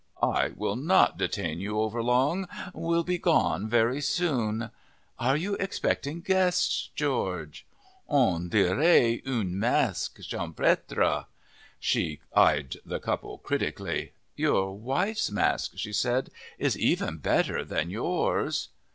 I will not detain you overlong, will be gone very soon. Are you expecting guests, George? On dirait une masque champêtre!" She eyed the couple critically. "Your wife's mask," she said, "is even better than yours."